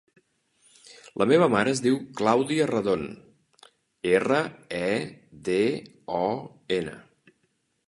La meva mare es diu Clàudia Redon: erra, e, de, o, ena.